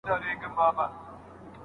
پرې مي ږده طبیبه ما اجل په خوب لیدلی دی